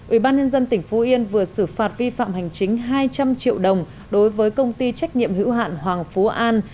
ủy ban nhân dân tỉnh phú yên vừa xử phạt vi phạm hành chính hai trăm linh triệu đồng đối với công ty trách nhiệm hữu hạn hoàng phú an